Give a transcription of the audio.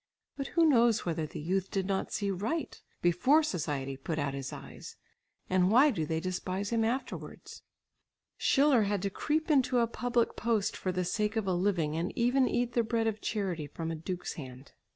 But who knows whether the youth did not see right before society put out his eyes? And why do they despise him afterwards? Schiller had to creep into a public post for the sake of a living and even eat the bread of charity from a duke's hand.